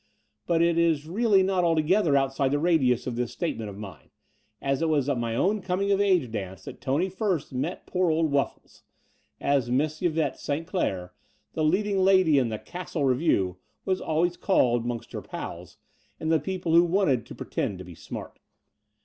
But it is really not altogether outside the radius of this statement of mine, as it was at his own coming of age dance that Tony first met poor old Wuffles, as Miss Yvette St. Clair, the leading lady in the "Castle" revue, was always called amongst her pals and the people who wanted to pretend to be smart.